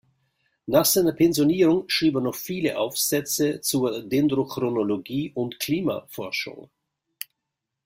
Nach seiner Pensionierung schrieb er noch viele Aufsätze zur Dendrochronologie und Klimaforschung.